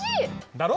だろ？